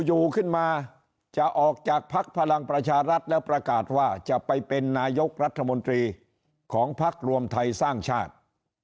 อยู่ขึ้นมาจะออกจากภักดิ์พลังประชารัฐแล้วประกาศว่าจะไปเป็นนายกรัฐมนตรีของพักรวมไทยสร้างชาติ